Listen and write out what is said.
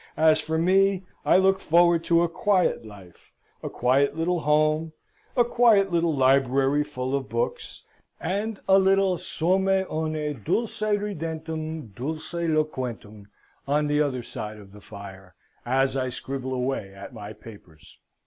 As for me, I look forward to a quiet life: a quiet little home, a quiet little library full of books, and a little Some one dulce ridentem, dulce loquentem, on t'other side of the fire, as I scribble away at my papers.